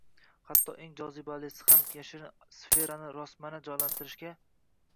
hatto eng jozibalisi ham “yashirin sferani” rostmana jonlantirishga